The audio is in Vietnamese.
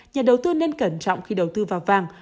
nhà đầu tư nên cẩn trọng khi đầu tư vào vàng